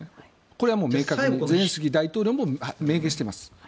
これはもう明確にゼレンスキー大統領も明言しています。